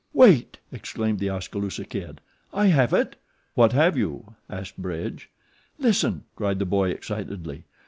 "Wait!" exclaimed The Oskaloosa Kid. "I have it!" "What have you?" asked Bridge. "Listen!" cried the boy excitedly.